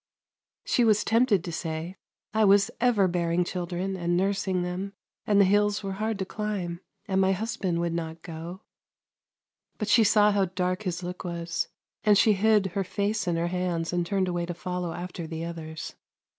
She was tempted to say :" I was ever bearing chil dren and nursing them, and the hills were hard to climb, and my husband would not go ;" but she saw how dark his look was, and she hid her face in her hands and turned away to follow after the others.